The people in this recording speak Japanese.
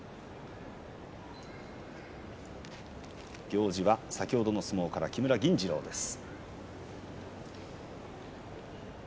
行司は先ほどの相撲から木村銀治郎です。